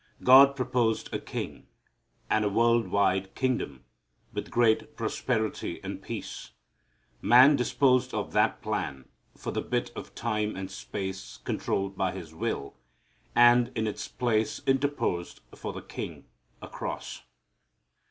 God proposed a king, and a world wide kingdom with great prosperity and peace. Man disposed of that plan for the bit of time and space controlled by his will, and in its place interposed for the king, a cross.